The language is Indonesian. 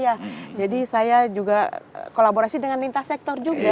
iya jadi saya juga kolaborasi dengan intasektor juga